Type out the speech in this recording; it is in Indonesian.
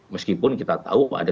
meskipun kita tahu ada